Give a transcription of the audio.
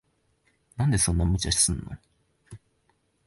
なんでそんな無茶すんの。